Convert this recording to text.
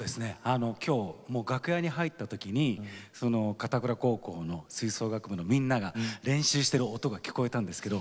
今日楽屋に入った時に片倉高校の吹奏楽部のみんなが練習してる音が聞こえたんですけど